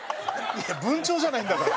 いや文鳥じゃないんだから。